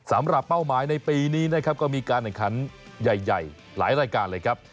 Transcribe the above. สำหรับเป้าหมายในปีนี้ก็มีการการขันใหญ่หลายรายการเลยครับ